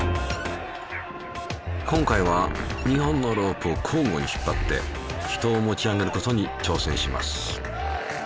今回は２本のロープを交互に引っ張って人を持ち上げることに挑戦します。